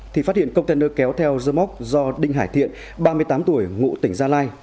thì phát hiện container kéo theo dơ móc do đinh hải thiện ba mươi tám tuổi ngụ tỉnh gia lai